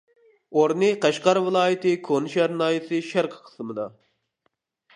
ئورنى قەشقەر ۋىلايىتى كونا شەھەر ناھىيەسى شەرقى قىسمىدا.